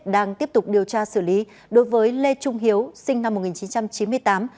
đang tiếp tục điều tra xử lý đối với lê trung hiếu sinh năm một nghìn chín trăm chín mươi tám